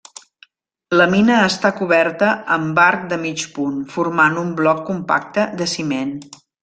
La mina està coberta amb arc de mig punt, formant un bloc compacte de ciment.